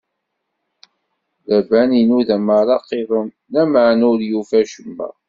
Laban inuda meṛṛa aqiḍun, lameɛna ur yufi acemma.